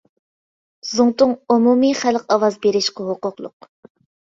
زۇڭتۇڭ ئومۇمىي خەلق ئاۋاز بېرىشقا ھوقۇقلۇق.